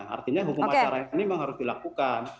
artinya hukum acara ini memang harus dilakukan